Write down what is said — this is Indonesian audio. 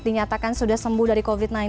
dinyatakan sudah sembuh dari covid sembilan belas